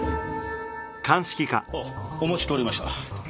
あっお待ちしておりました。